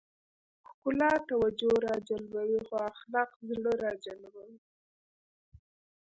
ښکلا توجه راجلبوي خو اخلاق زړه راجلبوي.